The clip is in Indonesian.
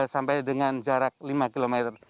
sampai dengan jarak lima km